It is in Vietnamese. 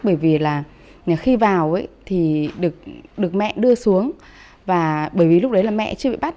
bởi vì là khi vào thì được mẹ đưa xuống và bởi vì lúc đấy là mẹ chưa bị bắt